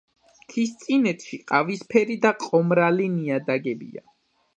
მთისწინეთში ყავისფერი და ყომრალი ნიადაგებია.